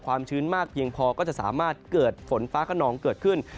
ชื้นมากเพียงพอก็จะสามารถเกิดฝนฟ้าขนองเกิดขึ้น